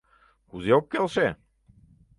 — Кузе ок келше?